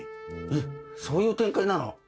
えっそういう展開なの？